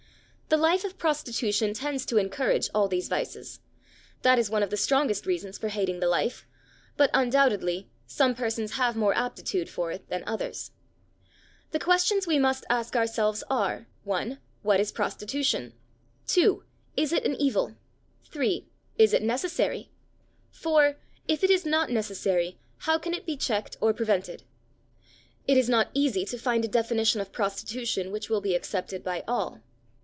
The life of prostitution tends to encourage all these vices; that is one of the strongest reasons for hating the life; but, undoubtedly, some persons have more aptitude for it than others. The questions we must ask ourselves are: (1) What is prostitution? (2) Is it an evil? (3) Is it necessary? (4) If it is not necessary, how can it be checked or prevented? It is not easy to find a definition of prostitution which will be accepted by all.